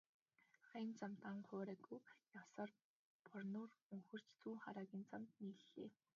Аян замд ам хуурайгүй явсаар Борнуур өнгөрч Зүүнхараагийн замд нийллээ.